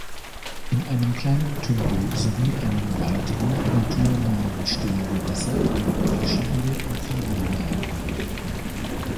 In einem kleinen Tümpel sowie in einem weiteren naturnahen Stillgewässer leben verschiedene Amphibienarten.